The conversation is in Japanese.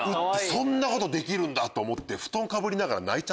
そんなことできるんだ！と思って。